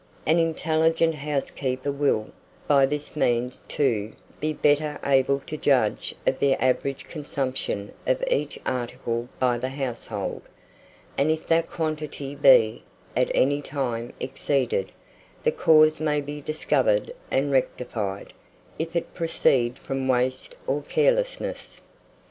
An intelligent housekeeper will, by this means, too, be better able to judge of the average consumption of each article by the household; and if that quantity be, at any time, exceeded, the cause may be discovered and rectified, if it proceed from waste or carelessness.